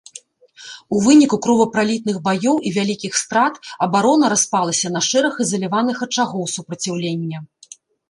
У выніку кровапралітных баёў і вялікіх страт абарона распалася на шэраг ізаляваных ачагоў супраціўлення.